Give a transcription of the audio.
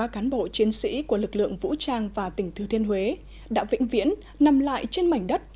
một mươi ba cán bộ chiến sĩ của lực lượng vũ trang và tỉnh thư thiên huế đã vĩnh viễn nằm lại trên mảnh đất